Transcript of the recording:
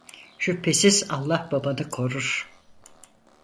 Şüphesiz Allah babanı korur.